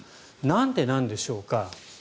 なんでなんでしょうか。